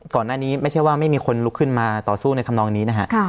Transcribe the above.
ก่อนหน้านี้ไม่ใช่ว่าไม่มีคนลุกขึ้นมาต่อสู้ในธรรมนองนี้นะฮะ